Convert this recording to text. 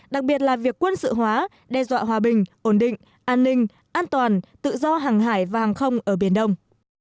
đặc biệt là việc quân sự hóa đe dọa hòa bình ổn định an ninh an toàn tự do hàng hải và hàng không ở biển đông